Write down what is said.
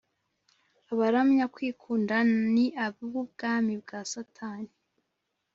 . Abaramya kwikunda ni ab’ubwami bwa Satani